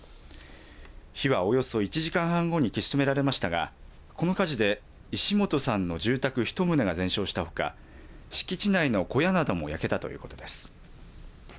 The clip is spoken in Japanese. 火はおよそ１時間半後に消し止められましたがこの火事で石本さんの住宅１棟が全焼したほか基地内の小屋なども焼けたということです。